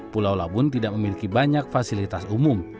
pulau labun tidak memiliki banyak fasilitas umum